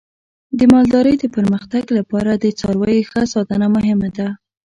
د مالدارۍ د پرمختګ لپاره د څارویو ښه ساتنه مهمه ده.